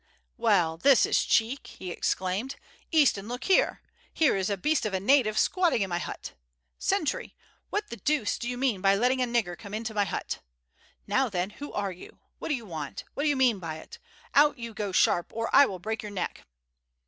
"Well, this is cheek!" he exclaimed. "Easton, look here; here is a beast of a native squatting in my hut. Sentry, what the deuce do you mean by letting a nigger come into my hut? Now, then, who are you? What do you want? What do you mean by it? Out you go sharp, or I will break your neck!"